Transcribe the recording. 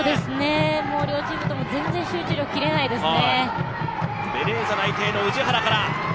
両チームとも全然集中力が切れないですね。